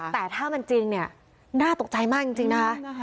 แต่ถ้ามันจริงเนี่ยน่าตกใจมากจริงนะคะ